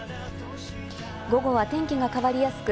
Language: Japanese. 午後は天気が変わりやすく、